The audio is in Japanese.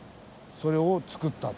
それをつくったと。